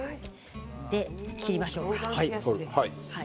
切りましょうか。